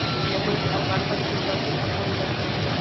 سیلابونه د افغان ښځو په ژوند کې هم رول لري.